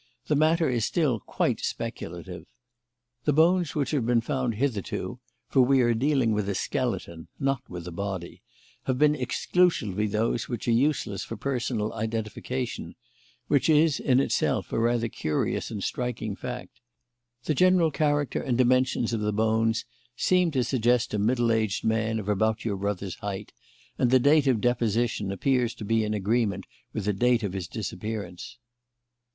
The matter is still quite speculative. The bones which have been found hitherto (for we are dealing with a skeleton, not with a body) have been exclusively those which are useless for personal identification; which is, in itself, a rather curious and striking fact. The general character and dimensions of the bones seem to suggest a middle aged man of about your brother's height, and the date of deposition appears to be in agreement with the date of his disappearance."